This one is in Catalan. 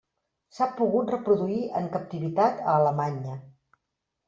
S'ha pogut reproduir en captivitat a Alemanya.